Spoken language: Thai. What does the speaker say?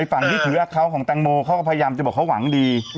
ฝั่งที่ถืออาเขาของแตงโมเขาก็พยายามจะบอกเขาหวังดี